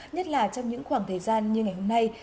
nhất là trong những khoảng thời gian như ngày hôm nay